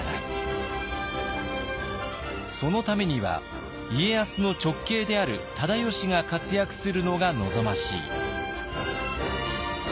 そのためには家康の直系である忠吉が活躍するのが望ましい。